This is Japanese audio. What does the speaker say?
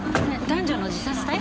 男女の自殺体？